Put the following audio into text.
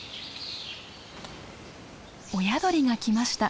親鳥が来ました。